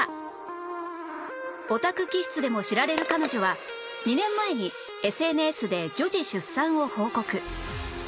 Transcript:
オタク気質でも知られる彼女は２年前に ＳＮＳ で女児出産を報告